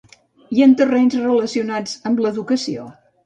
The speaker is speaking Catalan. I en terrenys relacionats amb l'educació?